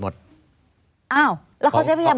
ไม่มีครับไม่มีครับ